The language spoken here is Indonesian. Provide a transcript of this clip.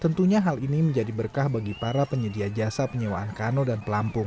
tentunya hal ini menjadi berkah bagi para penyedia jasa penyewaan kano dan pelampung